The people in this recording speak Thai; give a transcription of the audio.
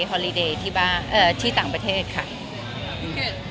ฮอรี่เดย์ที่บ้างเอ่อที่ต่างประเทศค่ะใช่ครับก็